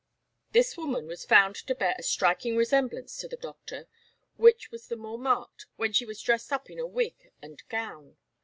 This woman was found to bear a striking resemblance to the Doctor, which was the more marked when she was dressed up in a wig and gown.